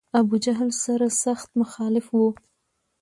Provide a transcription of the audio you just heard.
ابوجهل سر سخت مخالف و.